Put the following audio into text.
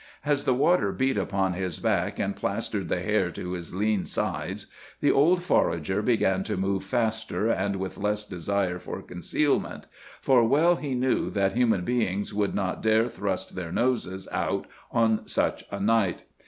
As the water beat upon his back and plastered the hair to his lean sides, the old forager began to move faster and with less desire for concealment, for well he knew that human beings would not dare thrust their noses out on such a night.